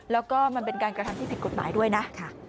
แล้วก็มันเป็นการกระทำที่ผิดกฎหมายด้วยนะ